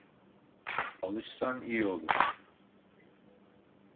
Alışsan iyi olur.